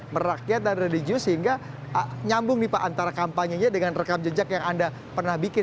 merakyat dan religius sehingga nyambung nih pak antara kampanye nya dengan rekam jejak yang anda pernah bikin